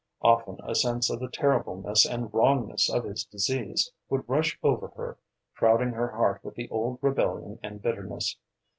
Often a sense of the terribleness and wrongness of his disaster would rush over her, crowding her heart with the old rebellion and bitterness.